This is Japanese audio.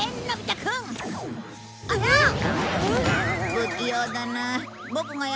不器用だなあ。